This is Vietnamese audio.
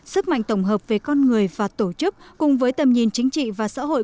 sức mạnh tổng hợp về con người và tổ chức cùng với tầm nhìn chính trị và xã hội